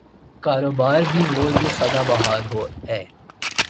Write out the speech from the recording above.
کاروبار بھی وہ جو صدا بہار ہے۔